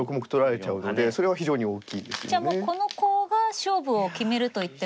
じゃあもうこのコウが勝負を決めるといっても。